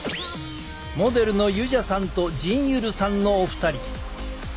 モデルのユジャさんとジン・ユルさんのお二人。